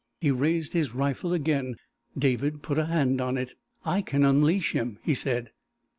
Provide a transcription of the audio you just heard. He raised his rifle again. David put a hand on it. "I can unleash him," he said.